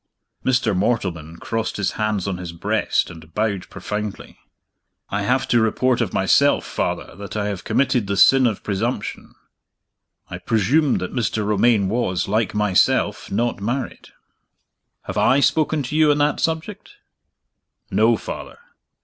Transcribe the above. Mr. Mortleman crossed his hands on his breast and bowed profoundly. "I have to report of myself, Father, that I have committed the sin of presumption. I presumed that Mr. Romayne was, like myself, not married." "Have I spoken to you on that subject?" "No, Father."